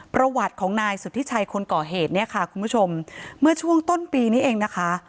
ประวัติของนายสุธิชัยคนก่อเหตุเนี่ยค่ะคุณผู้ชมเมื่อช่วงต้นปีนี้เองนะคะ